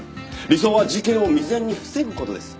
「“理想は事件を未然に防ぐ事です”」